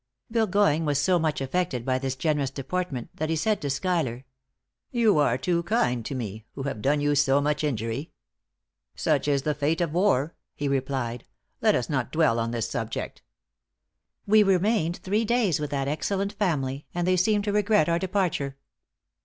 Burgoyne was so much affected by this generous deportment, that he said to Schuyler: 'You are too kind to me who have done you so much injury,' 'Such is the fate of war,' he replied; 'let us not dwell on this subject.' We remained three days with that excellent family, and they seemed to regret our departure."